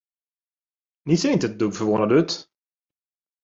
Ni ser inte ett dugg förvånad ut?